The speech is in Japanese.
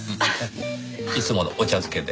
いつものお茶漬けで。